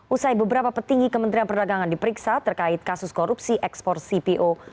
usai beberapa petinggi kementerian perdagangan diperiksa terkait kasus korupsi ekspor cpo